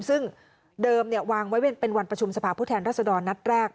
ซึ่งเดิมวางไว้เป็นวันประชุมสภาพผู้แทนรัศดรนัดแรก